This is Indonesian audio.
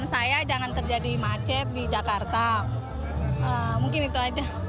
saya jangan terjadi macet di jakarta mungkin itu aja